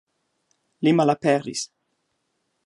Li malaperis.